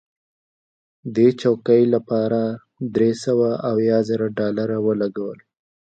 دې چوکۍ لپاره درې سوه اویا زره ډالره ولګول.